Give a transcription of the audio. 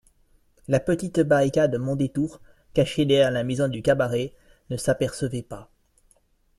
La petite barricade Mondétour, cachée derrière la maison du cabaret, ne s'apercevait pas.